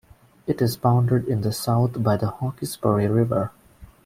It is bounded in the south by the Hawkesbury River.